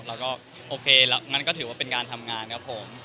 แล้วก็โอเคแล้วงั้นก็ถือว่าเป็นงานทำงานครับผม